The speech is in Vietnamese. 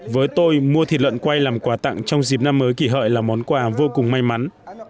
với tôi mua thịt lợn quay làm quà tặng trong dịp năm mới kỷ hợi là món quà vô cùng may mắn